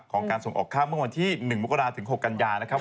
ของการส่งออกข้าวเมื่อวันที่๑มกราศถึง๖กันยานะครับ